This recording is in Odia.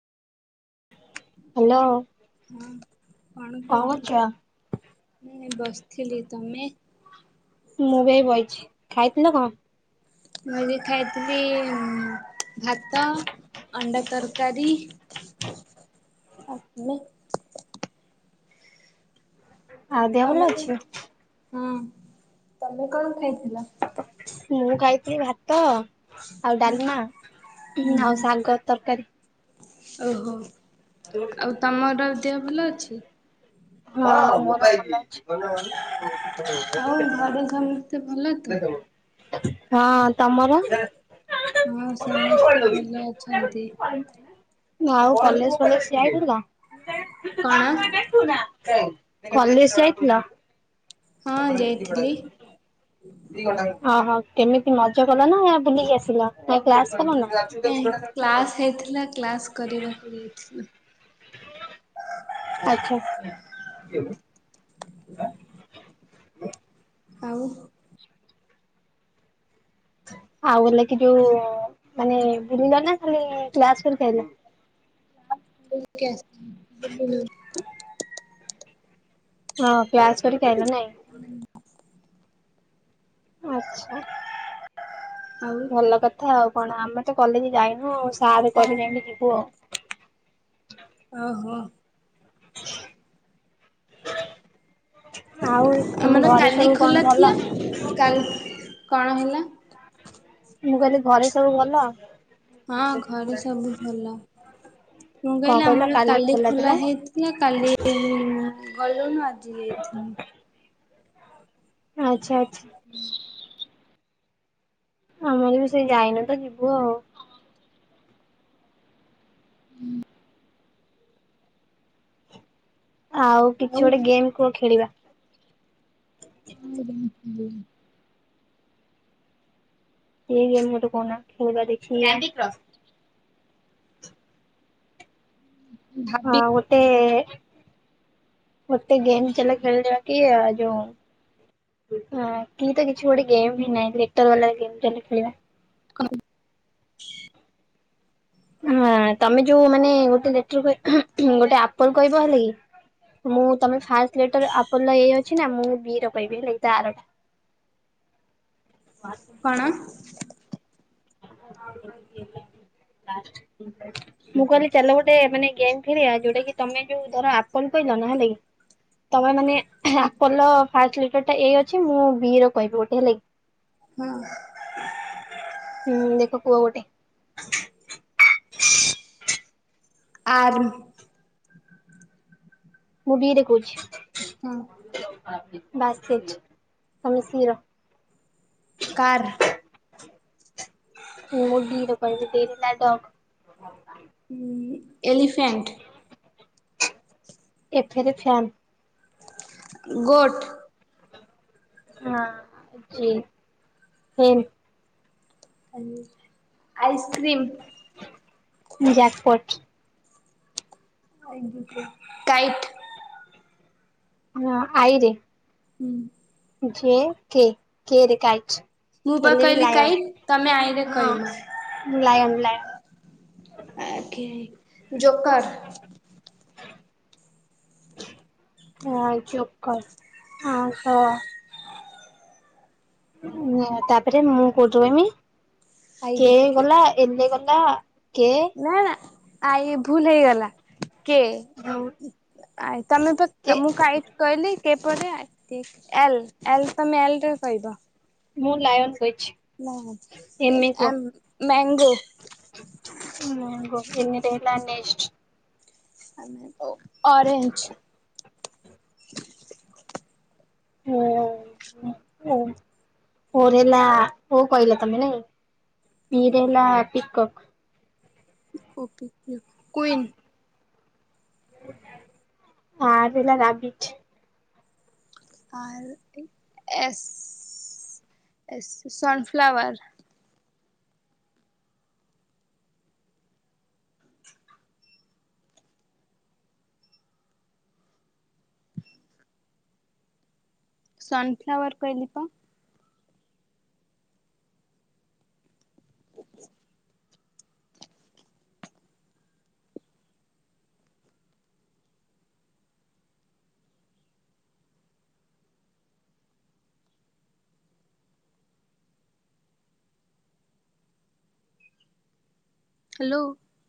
ହ୍ୟାଲୋ ହଁ କଣ କରୁଛ? ଏଇ ବସିଥିଲି ତମେ। ମୁଁ ବି ଏଇ ବଇଛି ଖାଇଥିଲ କଣ? ମୁଁ ଆଜି ଖାଇଥିଲି ଭାତ ଅଣ୍ଡା ତରକାରୀ। [inaudible] ଆଉ ତୁମେ। ଆଉ ଦେହ ଭଲ ତମେ କଣ ଅଛି? ହଁ ତମେ କଣ ଖାଇଥିଲ? ମୁଁ ଖାଇଥିଲି ଭାତ ଆଉ ଉଁ ଡାଲମା ହୁଁ ଆଉ ଶାଗ ତରକାରୀ। ଓହୋ ଆଉ ତମର ଦେହ ଭଲ ଅଛି। ହଁ ମୋ ଦେହ ଭଲ ଅଛି। ଆଉ ଘରେ ସମସ୍ତେ ଭଲ ତ। ହଁ ତମର। ହଁ ସମସ୍ତେ ଭଲ ଅଛନ୍ତି। ଆଉ ତମେ କଲେଜ ଫଲେଜ ଯାଇଥିଲ। କଣ? କଲେଜ ଯାଇଥିଲ। ହଁ ଯାଇଥିଲି ଓହୋ କେମିତି ମଜା କଲ ନା ବୁଲିକି ଆସିଲ ନାଇ କ୍ଲାସ କଲ ନା। ନାଇ କ୍ଲାସ ହେଇଥିଲା କ୍ଲାସ କରିବାକୁ ଯାଇଥିଲୁ। ଆଛା। [inaudible] ଆଉ। ଆଉ ଗଲେ କି ଯୋଉ ମାନେ ବୁଲିଲ ନା ଖାଲି କ୍ଲାସ କରିକି ଆଇଲ। ବୁଲିକି ଆସିଲୁ ବୁଲିକି। ଓହୋ କ୍ଲାସ କରିକି ଆଇଲ ନାଇଁ। ହୁଁ। ଆଚ୍ଛା। ଆଉ। ଭଲ କଥା ଆଉ କଣ ଆମେ ତ କଲେଜ ଯାଇନୁ ଆଉ ସାର୍ କଣ? କହିଲେ ଯାଇକି ଯିବୁ ଆଉ। ଓହୋ। [inaudible] ଆଉ ତମ ଆମର ଘରେ କାଲି ସବୁ କଣ ଖୋଲା ଭଲ? ଥିଲା କା କଣ ହେଲା? ମୁଁ କହିଲି ଘରେ ସବୁ ଭଲ। ହଁ ଘରେ ସବୁ ଭଲ। ମୁଁ କଣ କହିଲି କହିଲ ଆମର କାଲି ଥିଲା ଖୋଲା ହେଇଥିଲା କାଲି କାଲି ଗଲୁନୁ ଆଜି ଯାଇଥିଲୁ। ଆଚ୍ଛା ଆଚ୍ଛା। [inaudible] ଆମର ବି ସେଇ ଯାଇନୁ ତ ଯିବୁ ଆଉ। ହୁଁ। ଆଉ କିଛି ଗୋଟେ ଗେମ୍ କୁହ ଖେଳିବା। [inaudible] କି ଗେମ୍ ଗୋଟେ କୋଉନା ଖେଳିବା ଦେଖି। ହଁ ଭାବି ଗୋଟେ ମୋତେ ଗେମ୍ ଚାଲ ଖେଳିବା କି ଆ ଯୋଉ କିନ୍ତୁ କିଛି ଗୋଟେ ଗେମ୍ ବି ନାହିଁ, ଗୀତ ଗଲା ଗୀତ ରେ ଖେଳିବା। [inaudible] ହଁ ତମେ ଯୋଉ ମାନେ ଗୋଟେ ଲେଟର ଗୋଟେ ଆପଲ କହିବ ହେଲା କି ମୁଁ ତମେ ଫାଷ୍ଟ ଲେଟର ଆପୋଲ ର ଏ ଅଛି ନା ମୁଁ ବି ର କହିବି ଏୟୀ ତା ଆର [inaudible] କଣ? [inaudible] ମୁଁ କହିଲି ଚାଲ ଗୋଟେ ମାନେ ଗେମ ଖେଳିବା, ଯୋଉଟା କି ତମେ ଯୋଉ ଧର ଆପଲ କହିଲ ନା ହେଲା କି ତମେ ମାନେ ଆପଲ ଫାଷ୍ଟ ଲେଟର ଟା ଏ ଅଛି ମୁଁ ବି ର କହିବି ଗୋଟେ ହେଲା କି ହଁ। ହୁଁ ଦେଖ କୁହ ଗୋଟେ? ଆର। ମୁଁ ବିରେ କହୁଛି। ହଁ ବାସ୍କେଟ୍ ତମେ ଶି ର। କାର୍। ମୁ ଡି ର କହିବି, ଡି ରେ ନା ଡଗ୍। ଏଲିଫେଣ୍ଟ୍। ଏଫ୍ ରେ ଫ୍ୟନ୍। ଗୋଟ୍। ହଁ ଜ ହେନ୍। ଆଇସ୍କ୍ରିମ୍। ଜାକପୋଟ୍। କାଇଟ୍। ହଁ ଆଇରେ ହୁଁ। ଯେ କେ, କେ ରେ କାଇଟ୍। ମୁଁ ବା ଏଲ୍ ରେ କହଲିି ଲାୟନ୍ କାଇଟ୍ ତମେ ଆଇରେ ହଁ କହିବ। [unintelligible] ଆ କି ଜୋକର ହଁ ଜୋକେର, ହଁ ତ। ତାପରେ ମୁଁ କୋଉଠେ ରହିମି, ଆଇ କିଏ ଦେଖି ଗଲା। ଏଲେ ଗଲା କିଏ? ନା ନା ଆଇ ଭୁଲ ହେଇଗଲା। କିଏ ଆ ତମେ କେ ତ ମୁଁ କଇଟ୍ କହିଲି କେ ପରେ ଏଲ୍ ଏଲ୍ ତମେ ଏଲରେ କହିବ। ମୁଁ ଲାୟନ କହିଛି। ହଁ ଏମ ମ୍ୟାଙ୍ଗୋ। ଗୋଟେ ଏନ ରେ ହେଲା ନେଷ୍ଟ। ଓ ଓରେଞଜ। ଓ ହେଲା, ଓ କହିଲ ତମେ ନାଇ? ପି ରେ ହେଲା ପିକକ୍। Okay queen. ଆର ହେଲା rabbit. R S S sunflower. Sunflower କହିଲି ତ। ହ୍ୟାଲୋ।